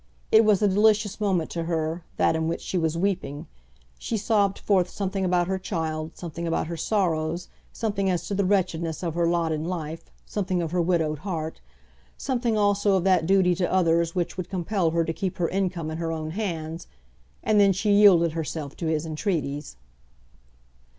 It was a delicious moment to her, that in which she was weeping. She sobbed forth something about her child, something about her sorrows, something as to the wretchedness of her lot in life, something of her widowed heart, something also of that duty to others which would compel her to keep her income in her own hands; and then she yielded herself to his entreaties.